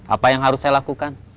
apa yang harus saya lakukan